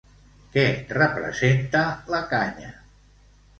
Què representa la canya?